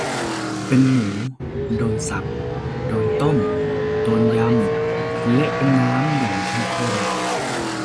เป็นหมู โดนสับ โดนต้ม โดนยำ เละเป็นน้ำ อย่างเข้มข้น